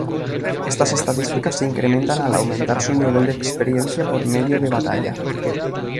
Estas estadísticas se incrementan al aumentar su nivel de experiencia por medio de batalla.